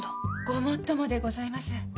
ごもっともでございます。